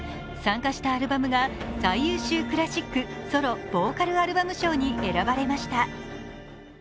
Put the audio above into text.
参加したアルバムが最優秀クラシック・ソロ・ヴォーカル・アルバム賞に選ばれました。